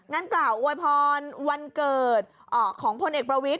กล่าวอวยพรวันเกิดของพลเอกประวิทย